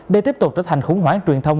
để tiếp tục trở thành khủng hoảng truyền thông